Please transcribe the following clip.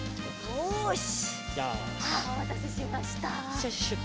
よし！